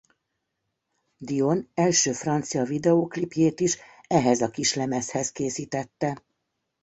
Dion első francia videóklipjét is ehhez a kislemezhez készítette.